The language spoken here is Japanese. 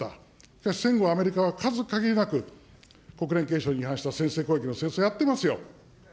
しかし戦後アメリカは、数限りなく、国連憲章に違反した先制攻撃の戦争をやってますよ。